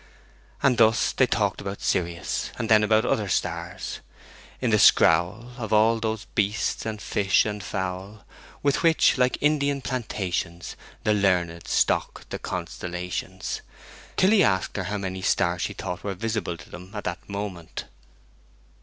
And thus they talked on about Sirius, and then about other stars ... in the scrowl Of all those beasts, and fish, and fowl, With which, like Indian plantations, The learned stock the constellations, till he asked her how many stars she thought were visible to them at that moment.